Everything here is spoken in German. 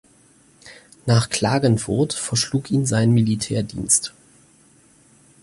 Nach Klagenfurt verschlug ihn sein Militärdienst.